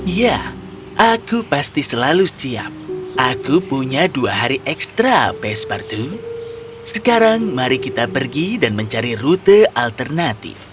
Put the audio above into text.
ya aku pasti selalu siap aku punya dua hari ekstra pespartu sekarang mari kita pergi dan mencari rute alternatif